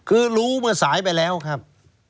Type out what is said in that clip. คือรู้เมื่อสายไปแล้วครับ